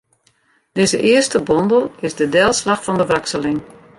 Dizze earste bondel is de delslach fan de wrakseling.